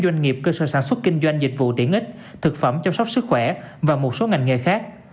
doanh nghiệp cơ sở sản xuất kinh doanh dịch vụ tiện ích thực phẩm chăm sóc sức khỏe và một số ngành nghề khác